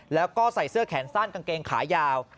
แล้วก็ใส่เสื้อแขนสั้นกางเกงขายาว